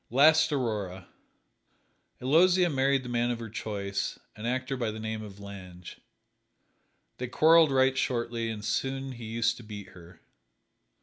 East Aurora: Aloysia married the man of her choice an actor by the name of Lange. They quarreled right shortly, and soon he used to beat her.